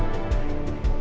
sambil nunggu kita